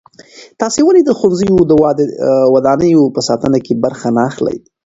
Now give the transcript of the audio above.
تاسې ولې د ښوونځیو د ودانیو په ساتنه کې برخه نه اخلئ؟